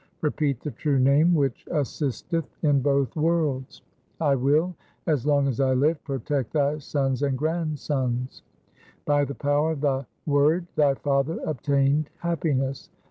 Repeat the true Name which assisteth in both worlds. I will as long as I live protect thy sons and grandsons. By the power of the Word thy father obtained happiness.